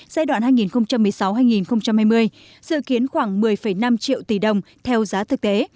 giai đoạn hai nghìn một mươi sáu hai nghìn hai mươi dự kiến khoảng một mươi năm triệu tỷ đồng theo giá thực tế